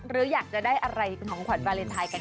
หรืออยากจะได้อะไรเป็นของขวัญวาเลนไทยกัน